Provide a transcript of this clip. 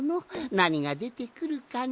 なにがでてくるかな？